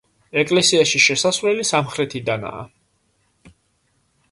ეკლესიაში შესასვლელი სამხრეთიდანაა.